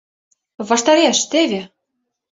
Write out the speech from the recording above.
— Ваштареш, теве!